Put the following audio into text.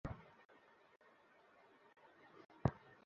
বাবা শুটিংয়ের কাজে দুই দিনের বেশি ঢাকার বাইরে থাকলে আমি কান্নাকাটি করি।